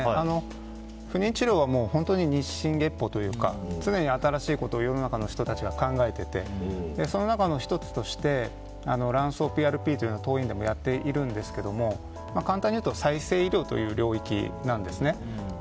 不妊治療はもう日進月歩というか常に新しいことを世の中の人たちが考えていて、その中の１つとして卵巣ＰＲＰというのは当院でもやっているんですけど簡単に言うと再生医療という領域なんですね。